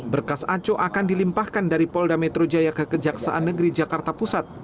berkas aco akan dilimpahkan dari polda metro jaya ke kejaksaan negeri jakarta pusat